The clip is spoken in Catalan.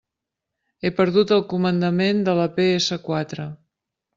He perdut el comandament de la pe essa quatre.